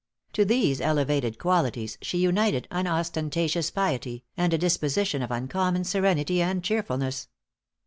To these elevated qualities she united unostentatious piety, and a disposition of uncommon serenity and cheerfulness.